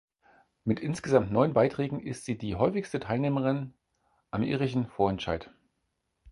Mit insgesamt neun Beiträgen ist sie die häufigste Teilnehmerin am irischen Vorentscheid.